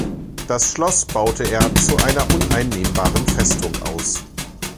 Das Schloss baute er zu einer uneinnehmbaren Festung aus.